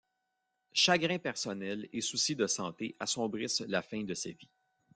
Chagrins personnels et soucis de santé assombrissent la fin de sa vie.